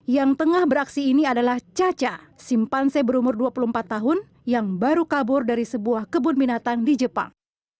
yang tengah beraksi ini adalah caca simpanse berumur dua puluh empat tahun yang baru kabur dari sebuah kebun binatang di jepang